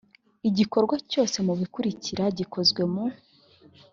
igikorwa cyose mu bikurikira gikozwe mu